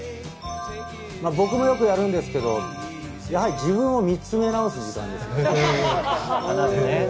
僕もよくやるんですけど、自分を見つめ直す時間ですよね。